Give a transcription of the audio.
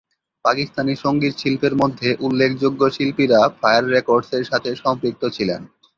পাকিস্তানি সংগীত শিল্পের মধ্যে উল্লেখযোগ্য শিল্পীরা ফায়ার রেকর্ডস এর সাথে সম্পৃক্ত ছিলেন।